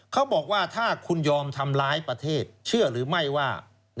เขาบอกว่าถ้าคุณยอมทำร้ายประเทศเชื่อหรือไม่ว่า